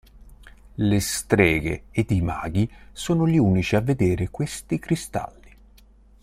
Le streghe ed i maghi sono gli unici a vedere questi cristalli.